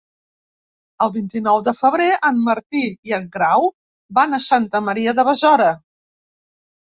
El vint-i-nou de febrer en Martí i en Grau van a Santa Maria de Besora.